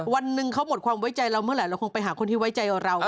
วันหนึ่งเขาหมดความไว้ใจเราเมื่อไหรเราคงไปหาคนที่ไว้ใจเรา